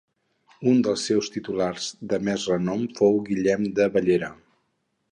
Un dels seus titulars de més renom fou Guillem de Bellera.